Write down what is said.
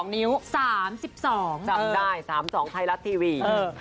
๓๒นิ้วจำได้๓๒นิ้วไพรัสทีวี